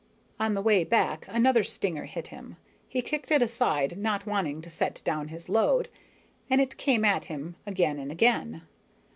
On the way back, another stinger hit him. He kicked it aside, not wanting to set down his load, and it came at him again and again.